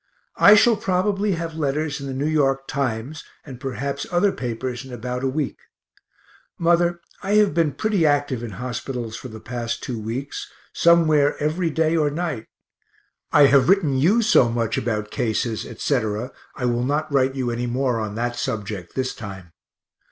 I shall probably have letters in the N. Y. Times and perhaps other papers in about a week. Mother, I have been pretty active in hospitals for the past two weeks, somewhere every day or night. I have written you so much about cases, etc., I will not write you any more on that subject this time.